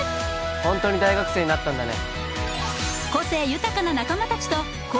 ホントに大学生になったんだね